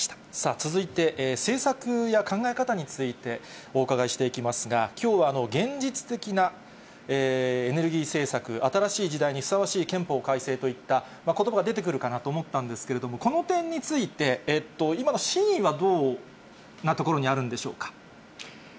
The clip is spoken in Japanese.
続いて、政策や考え方についてお伺いしていきますが、きょうは現実的なエネルギー政策、新しい時代にふさわしい憲法改正といった、ことばが出てくるかなと思ったんですけれども、この点について、今の真意はどんなところにあるんでしょうか。